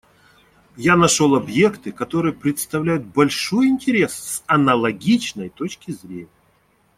Я нашел объекты, которые представляют большой интерес с аналогичной точки зрения.